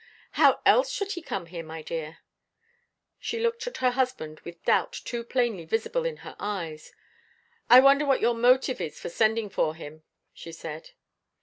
"How else should he come here, my dear?" She looked at her husband with doubt too plainly visible in her eyes. "I wonder what your motive is for sending for him," she said.